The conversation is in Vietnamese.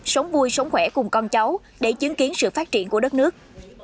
sống vui sống khỏe cùng con cháu để chứng kiến sự phát triển của đất nước